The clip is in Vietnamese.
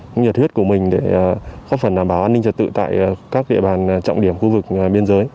cũng như nhiệt huyết của mình để góp phần đảm bảo an ninh trật tự tại các địa bàn trọng điểm khu vực biên giới